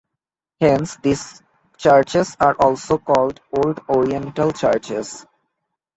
Hence, these churches are also called "Old Oriental churches".